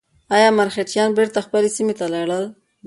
ایا مرهټیان بېرته خپلې سیمې ته لاړل؟